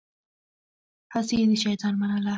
هسې يې د شيطان منله.